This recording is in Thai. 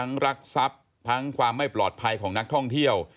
รักทรัพย์ทั้งความไม่ปลอดภัยของนักท่องเที่ยว